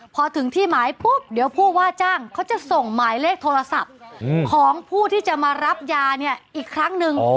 พอถึงที่หมายปุ๊บเดี๋ยวผู้ว่าจ้างเขาจะส่งหมายเลขโทรศัพท์ของผู้ที่จะมารับยาเนี่ยอีกครั้งหนึ่ง